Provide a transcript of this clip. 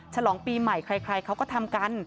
ฉลองปีใหม่ใครเขาก็ทำกัน